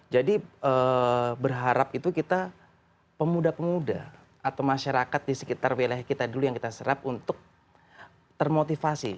jadi berharap itu kita pemuda pemuda atau masyarakat di sekitar wilayah kita dulu yang kita serap untuk termotivasi